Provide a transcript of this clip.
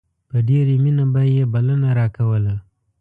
په ډېرې مينې به يې بلنه راکوله.